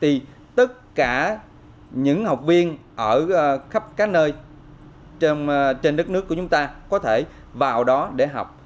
thì tất cả những học viên ở khắp các nơi trên đất nước của chúng ta có thể vào đó để học